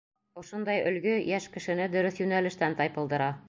Ошондай өлгө йәш кешене дөрөҫ йүнәлештән тайпылдыра.